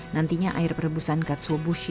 nantinya air perebusan katsuobushi